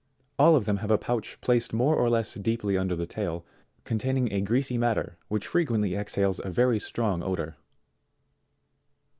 All of them have a pouch placed more or less deeply under the tail, containing a greasy matter which frequently exhales a very strong odour.